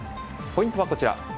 ポイントはこちら。